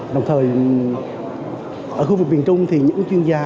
đồng thời ở khu vực miền trung thì những chuyên gia